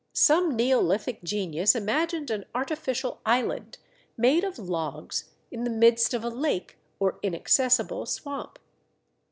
Some neolithic genius imagined an artificial island made of logs in the midst of a lake or inaccessible swamp.